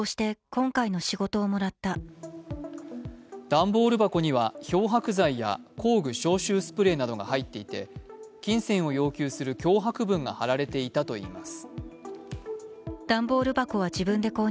段ボール箱には漂白剤や工具・消臭スプレーなどが入っていて、金銭を要求する脅迫文が貼られていたといいます。